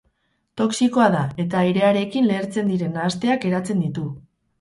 Toxikoa da, eta airearekin lehertzen diren nahasteak eratzen ditu.